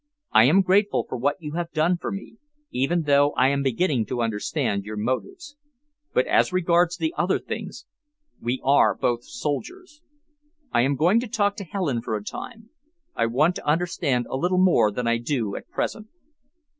I am grateful for what you have done for me, even though I am beginning to understand your motives. But as regards the other things we are both soldiers. I am going to talk to Helen for a time. I want to understand a little more than I do at present."